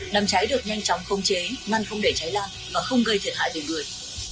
đám cháy được nhanh chóng không chế ngăn không để cháy lan và không gây thiệt hại đến người